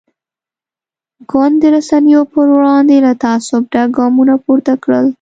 ګوند د رسنیو پر وړاندې له تعصب ډک ګامونه پورته کړل.